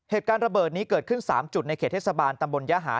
เหตุการณ์ระเบิดนี้เกิดขึ้น๓จุดในเขตเทศบาลตำบลยหา